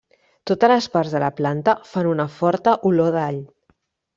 Totes les parts de la planta fan una forta olor d'all.